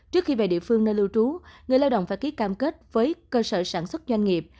trước khi về địa phương nơi lưu trú người lao động phải ký cam kết với cơ sở sản xuất doanh nghiệp